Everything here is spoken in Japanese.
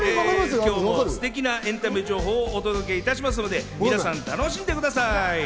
今日もすてきなエンタメ情報をお届けしますので皆さん楽しんでください。